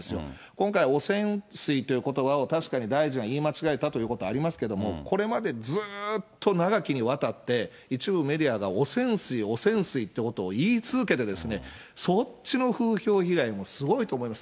今回、汚染水ということばを確かに大臣は言い間違えたということはありますけれども、これまでずーっと長きにわたって、一部メディアが汚染水、汚染水ということを言い続けてですね、そっちの風評被害もすごいと思います。